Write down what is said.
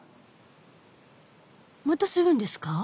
またするんですか？